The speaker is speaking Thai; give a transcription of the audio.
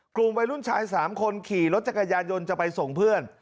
กลุ่มวัยรุ่นชาย๓คนขี่รถจักรยานยนต์จะไปส่งเพื่อน